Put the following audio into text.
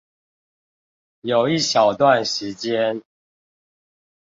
有一小段時間